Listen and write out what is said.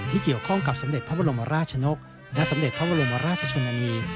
เกี่ยวข้องกับสมเด็จพระบรมราชนกและสมเด็จพระบรมราชชนนานี